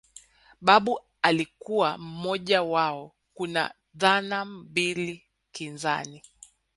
Babu akiwa mmoja wao Kuna dhana mbili kinzani